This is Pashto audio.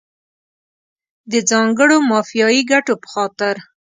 د ځانګړو مافیایي ګټو په خاطر.